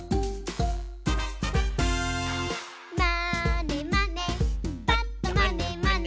「まーねまねぱっとまねまね」